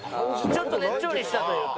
ちょっとねっちょりしたというか。